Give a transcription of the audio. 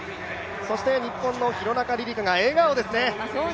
日本の廣中璃梨佳が笑顔ですね。